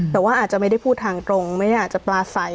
แต่ว่าอาจจะไม่ได้พูดทางตรงไม่ได้อาจจะปลาใส